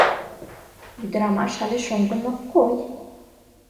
Ӱдырамаш але шоҥгын ок кой.